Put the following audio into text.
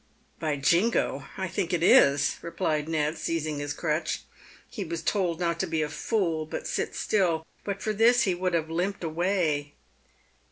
"By jingo! I think it is," replied Ned, seizing his crutch. He was told not to be a fool, but sit still. But for this, he would have limped away.